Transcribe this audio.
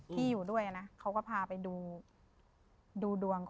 ที่อยู่ด้วยนะเขาก็พาไปดูดวง